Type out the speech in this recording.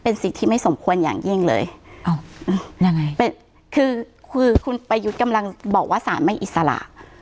เป็นสิทธิไม่สมควรอย่างยิ่งเลยยังไงกำลังบอกว่าสารไม่อิสระ